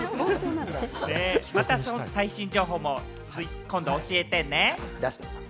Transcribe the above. また最新情報を今度教えてね。